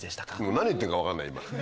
何言ってるか分かんない今。